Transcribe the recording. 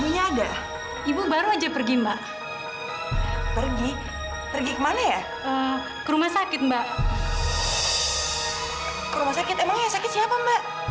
nggak ada siapa siapa do